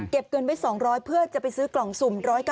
เงินไว้๒๐๐เพื่อจะไปซื้อกล่องสุ่ม๑๙